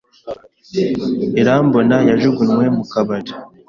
Irambona yajugunywe mu kabari.